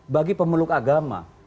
bagi pemeluk agama